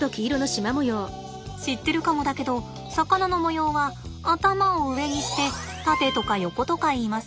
知ってるかもだけど魚の模様は頭を上にして縦とか横とかいいます。